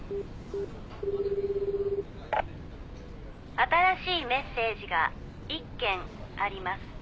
「新しいメッセージが１件あります」